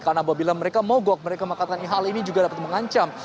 karena apabila mereka mogok mereka mengatakan hal ini juga dapat mengancam